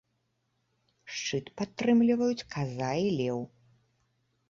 Шчыт падтрымліваюць каза і леў.